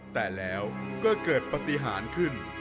แต่แล้วก็เกิดปฏิหารขึ้น